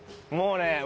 もうね